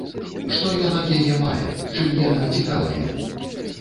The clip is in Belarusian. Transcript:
Што ён ад яе мае, чым яна цікава яму?